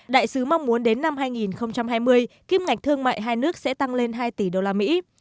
đại sứ mong muốn đến năm hai nghìn hai mươi kim ngạch thương mại hai nước sẽ tăng lên hai tỷ đô la mỹ